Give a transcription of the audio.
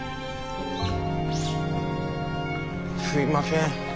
すいません